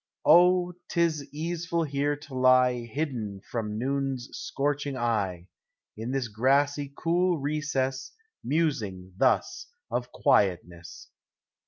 Oh, 't is easeful here to lie Hidden from noon's scorching eye, In this grassy cool recess Musing thus of quietness.